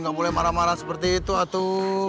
gak boleh marah marah seperti itu atuh